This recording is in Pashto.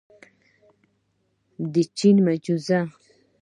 د چین معجزه.